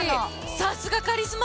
さすがカリスマ！